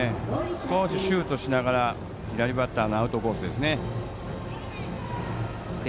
少しシュートしながら左バッターのアウトコースですね。